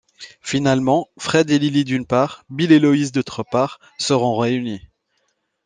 Finalement, Fred et Lilli d'une part, Bill et Lois d'autre part, seront réunis...